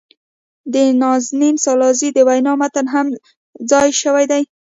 د نازنین سالارزي د وينا متن هم ځای شوي دي.